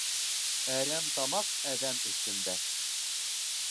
Әрәмтамаҡ әҙәм өҫтөндә.